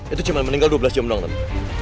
itu cuma meninggal dua belas jam doang tante